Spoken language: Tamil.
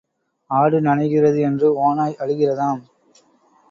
ஆடு நனைகிறது என்று ஓநாய் அழுகிறதாம்